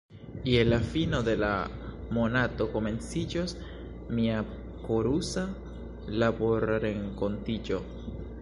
Je la fino de la monato komenciĝos mia korusa laborrenkontiĝo.